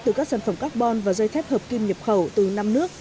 từ các sản phẩm carbon và dây thép hợp kim nhập khẩu từ năm nước